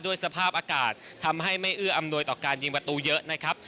สภาพอากาศทำให้ไม่เอื้ออำนวยต่อการยิงประตูเยอะนะครับ